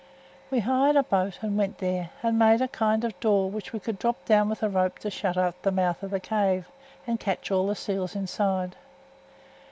We hired a boat and went there, and made a kind of a door which we could drop down with a rope to shut up the mouth of th' cave and catch the seals inside.